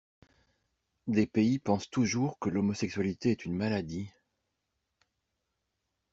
Des pays pensent toujours que l'homosexualité est une maladie.